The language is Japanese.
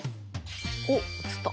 おっ映った。